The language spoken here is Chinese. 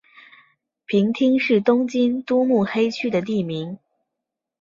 平町是东京都目黑区的地名。